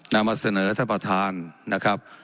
และมาเสนอทหัตถาประธานนะครับ